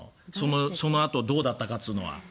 そのあとどうだったかというのは。